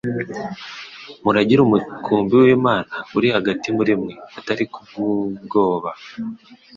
Muragire umukumbi w'Imana uri hagati muri mwe, atari kubw'ubwoba,